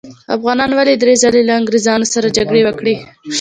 افغانانو ولې درې ځلې له انګریزانو سره جګړې وکړې؟